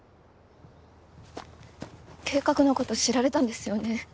計画のこと知られたんですよね